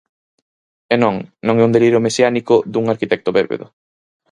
E non, non é un delirio mesiánico dun arquitecto bébedo.